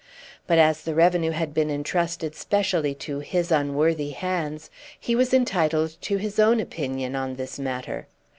But as the Revenue had been entrusted specially to his unworthy hands, he was entitled to his own opinion on this matter.